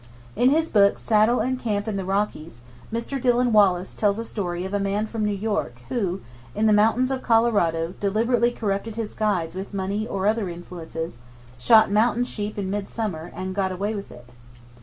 In his book "Saddle and Camp in the Rockies," Mr. Dillon Wallace tells a story of a man from New York who in the mountains of Colorado deliberately corrupted his guides with money or other influences, shot mountain sheep in midsummer, and "got away with it."